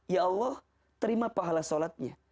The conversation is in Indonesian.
ya allah terima pahala sholatnya